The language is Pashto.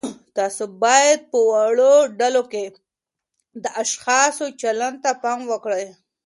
تاسو باید په وړو ډلو کې د اشخاصو چلند ته پام وکړئ.